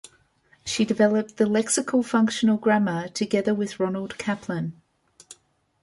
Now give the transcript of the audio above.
She developed the lexical-functional grammar together with Ronald Kaplan.